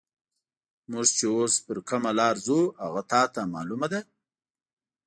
موږ چې اوس پر کومه لار ځو، هغه تا ته معلومه ده؟